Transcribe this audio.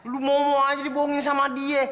lu mau aja dibohongin sama dia